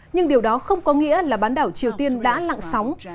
nhưng điều đó không có nghĩa là bán đảo triều tiên đã lặng sóng